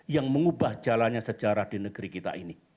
yang mengubah jalannya sejarah di negeri kita ini